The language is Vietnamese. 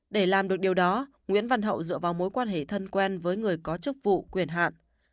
để làm được điều đó nguyễn văn hậu dựa vào mối quan hệ thân quen với người có chức vụ quyền hạn